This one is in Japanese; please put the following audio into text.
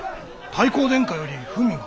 太閤殿下より文が。